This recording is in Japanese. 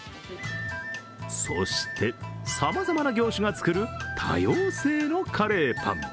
そしてさまざまな業種が作る多様性のカレーパン。